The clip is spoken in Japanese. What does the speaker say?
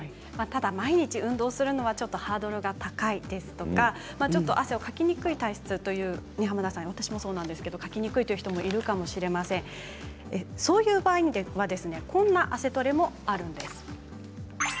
ただ毎日運動するのはハードルが高いですとか汗をかきにくい体質という濱田さんも私もそうなんですけどもそういう方がいるかもしれませんそういう場合はこんな汗トレもあります。